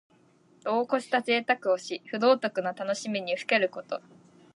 度をこしたぜいたくをし、不道徳な楽しみにふけること。